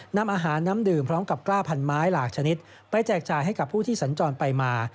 นำอาหารน้ำดื่มพร้อมกับกล้าพันไม้หลากชนิดไปแจกจ่ายให้กับผู้ที่สัญจรไปมา